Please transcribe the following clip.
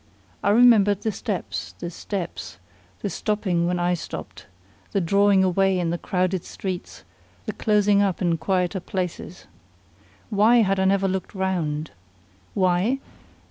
I remembered the steps, the steps the stopping when I stopped the drawing away in the crowded streets the closing up in quieter places. Why had I never looked round? Why?